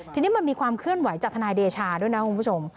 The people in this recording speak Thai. ทีนี้มันมีความเคลื่อนไหวจากทนายเดชาด้วยนะคุณผู้ชม